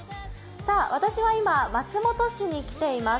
私は今、松本市に来ています。